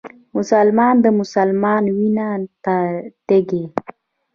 مسلمان د مسلمان وينو ته تږی